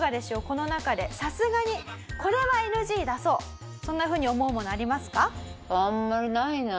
この中でさすがにこれはＮＧ出そうそんな風に思うものありますか？